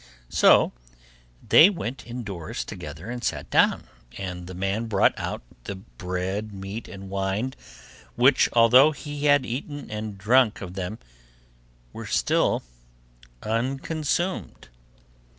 So they went indoors together and sat down, and the man brought out the bread, meat, and wine, which although he had eaten and drunk of them, were still unconsumed.